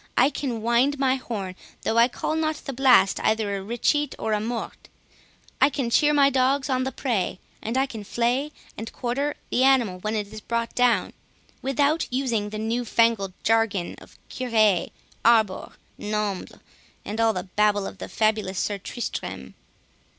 I can wind my horn, though I call not the blast either a 'recheate' or a 'morte'—I can cheer my dogs on the prey, and I can flay and quarter the animal when it is brought down, without using the newfangled jargon of 'curee, arbor, nombles', and all the babble of the fabulous Sir Tristrem."